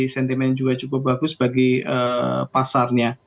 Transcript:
sentimen juga cukup bagus bagi pasarnya